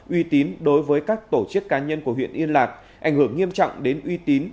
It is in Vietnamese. uy tín đối với các tổ chức cá nhân của huyện yên lạc ảnh hưởng nghiêm trọng đến uy tín